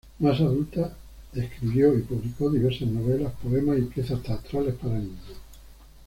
Más adulta escribió y publicó diversas novelas, poemas y piezas teatrales para niños.